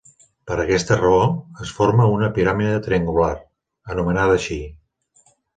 Per aquesta raó, es forma una piràmide triangular, anomenada així.